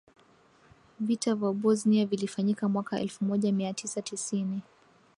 vita vya bosnia vilifanyika mwaka elfu moja mia tisa tisini